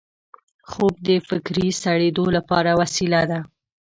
خوب د فکري سړېدو لپاره وسیله ده